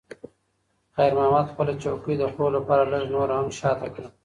خیر محمد خپله چوکۍ د خوب لپاره لږ نوره هم شاته کړه.